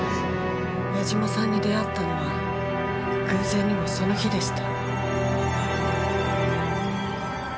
八嶋さんに出会ったのは偶然にもその日でした。